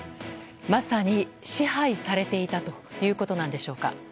まさに支配されていたということなんでしょうか。